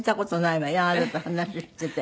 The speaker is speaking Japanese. あなたと話してて。